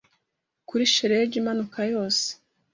Kuri shelegi imanuka yose